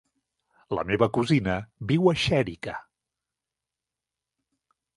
La meva cosina viu a Xèrica.